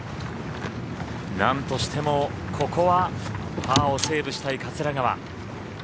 何としてもここはパーをセーブしたい桂川。